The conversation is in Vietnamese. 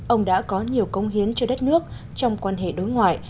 ông đã có nhiều công hiến cho đất nước trong quan hệ đối ngoại